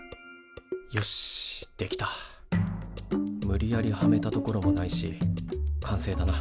無理やりはめたところもないし完成だな。